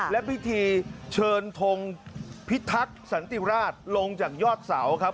และพิธีเชิญทงพิทักษ์สันติราชลงจากยอดเสาครับ